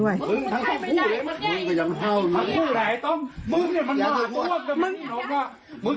อะไรดูดูโอเคล่ะไอบัง